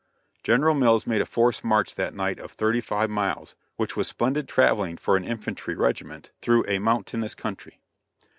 General Mills made a forced march that night of thirty five miles, which was splendid traveling for an infantry regiment through a mountainous country.